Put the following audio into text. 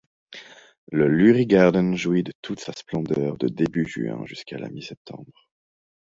Le Lurie Garden jouit de toute sa splendeur de début juin jusqu'à la mi-septembre.